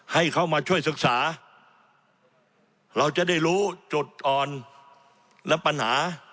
ให้เขามาช่วยศึกษาเราจะได้รู้จุดอ่อนและปัญหา